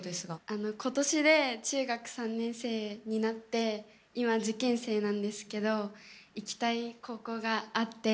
今年で中学３年生になって今、受験生なんですけど行きたい高校があって。